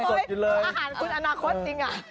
อาหารคุณอนาคตจริง